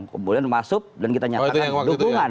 kemudian masuk dan kita nyatakan dukungan